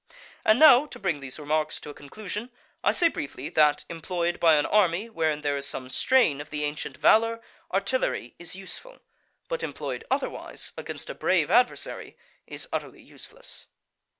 And now, to bring these remarks to a conclusion, I say briefly that, employed by an army wherein there is some strain of the ancient valour, artillery is useful; but employed otherwise, against a brave adversary, is utterly useless.